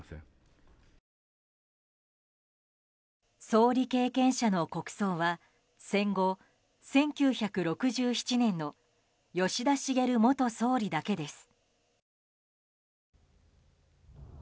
総理経験者の国葬は戦後１９６７年の吉田茂元総理だけです。